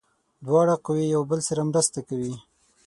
دواړه قوې یو بل سره مرسته کوي.